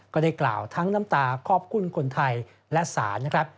ก็ได้กล่าวทั้งน้ำตาขอบคุณคนไทยและศาลนะครับ